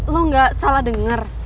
lo gak salah denger